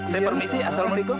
saya permisi assalamualaikum